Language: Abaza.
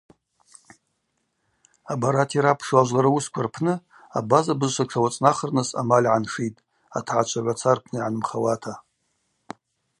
Абарат йрапшу ажвлара уысква рпны абаза бызшва тшауацӏнахырныс амаль гӏаншитӏ, атгӏачвагӏваца рпны йгӏанымхауата.